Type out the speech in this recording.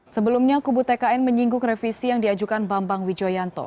sebelumnya kubu tkn menyinggung revisi yang diajukan bambang wijoyanto